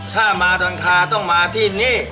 ถ้ามาดอนคาต้องมาที่นี้